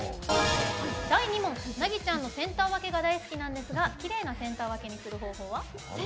和ちゃんのセンター分けが大好きなんですがきれいなセンター分けにする方法は？